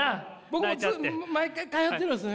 僕も毎回通ってるんです。